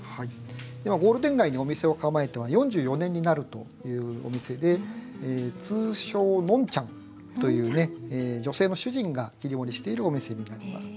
ゴールデン街にお店を構えて４４年になるというお店で通称「のんちゃん」というね女性の主人が切り盛りしているお店になります。